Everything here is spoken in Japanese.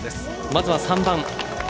まずは３番。